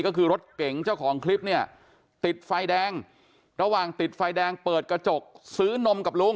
ก็คือรถเก๋งเจ้าของคลิปเนี่ยติดไฟแดงระหว่างติดไฟแดงเปิดกระจกซื้อนมกับลุง